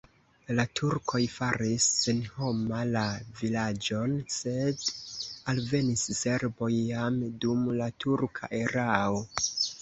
La turkoj faris senhoma la vilaĝon, sed alvenis serboj jam dum la turka erao.